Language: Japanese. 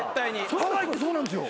ハワイってそうなんですよ。